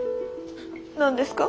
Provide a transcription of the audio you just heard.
何ですか？